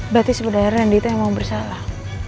berarti sebenarnya brandi itu yang mau bersalah